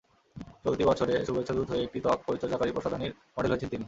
চলতি বছরে শুভেচ্ছাদূত হয়ে একটি ত্বক পরিচর্যাকারী প্রসাধনীর মডেল হয়েছেন তিনি।